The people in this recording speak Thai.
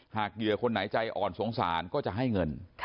เหยื่อคนไหนใจอ่อนสงสารก็จะให้เงิน